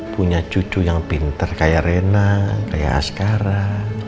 punya cucu yang pinter kayak rena kayak askara